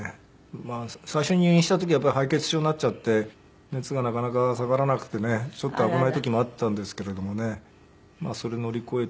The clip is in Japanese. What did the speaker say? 最初入院した時はやっぱり敗血症になっちゃって熱がなかなか下がらなくてねちょっと危ない時もあったんですけれどもねそれ乗り越えて。